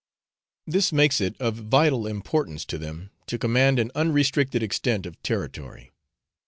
This makes it of vital importance to them to command an unrestricted extent of territory.